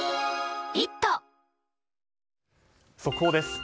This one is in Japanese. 速報です。